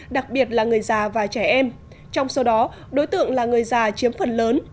đặc biệt là người già và trẻ em trong số đó đối tượng là người già chiếm phần lớn